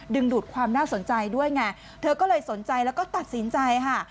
ดูดความน่าสนใจด้วยไงเธอก็เลยสนใจแล้วก็ตัดสินใจค่ะ